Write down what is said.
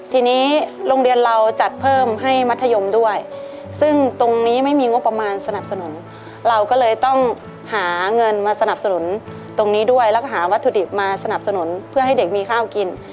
ทีนี้โรงเรียนเราจัดเพิ่มให้มัธยมด้วยซึ่งตรงนี้ไม่มีงบประมาณสนับสนุนเราก็เลยต้องหาเงินมาสนับสนุนตรงนี้ด้วยแล้วก็หาวัตถุดิบมาสนับสนุนเพื่อให้เด็กมีข้าวกิน